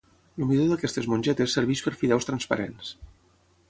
El midó d'aquestes mongetes serveix per fideus transparents.